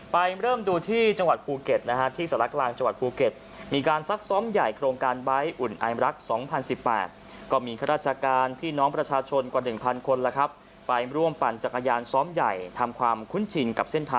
ไปเริ่มดูที่จังหวัดภูเก็ตที่สลักลางจังหวัดภูเก็ต